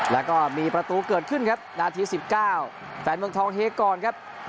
แล้วก็มีประตูเกิดขึ้นครับนาที๑๙แฟนเมืองทองเฮก่อนครับ